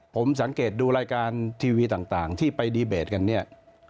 ผมสังเกตดูรายการทีวีต่างที่ไปดีเบตกันเนี่ย